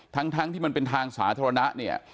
ทั้งที่มันเป็นทางสาธารณะเนี่ย